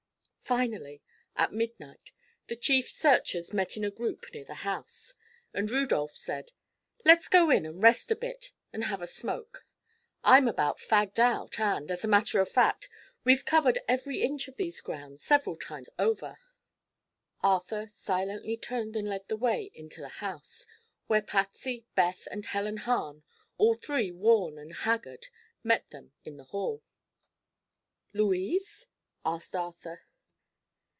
Finally, at midnight, the chief searchers met in a group near the house, and Rudolph said: "Let's go in and rest a bit, and have a smoke. I'm about fagged out and, as a matter of fact, we've covered every inch of these grounds several times over." Arthur silently turned and led the way into the house, where Patsy, Beth and Helen Hahn, all three worn and haggard, met them in the hall. "Louise?" asked Arthur.